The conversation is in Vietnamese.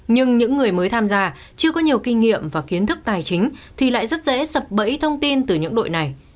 nhưng những người mới tham gia chưa có nhiều kinh nghiệm và kiến thức tài chính thì lại rất dễ sập bẫy thông tin từ những đội này